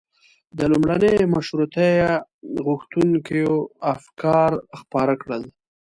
د لومړنیو مشروطیه غوښتونکيو افکار خپاره کړل.